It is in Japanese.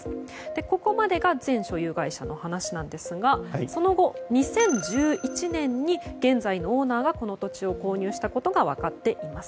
ここまでが前所有会社の話なんですがその後、２０１１年に現在のオーナーがこの土地を購入したことが分かっています。